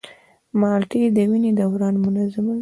مالټې د وینې دوران منظموي.